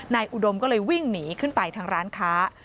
อุดมก็เลยวิ่งหนีขึ้นไปทางร้านค้า